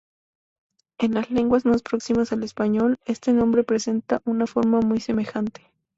En las lenguas más próximas al español, este nombre presenta una forma muy semejante.